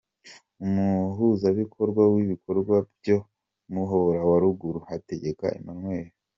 Umuhuzabikorwa w’ibikorwa byo mu Muhora wa Ruguru: Hategeka Emmanuel.